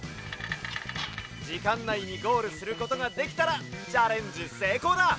じかんないにゴールすることができたらチャレンジせいこうだ！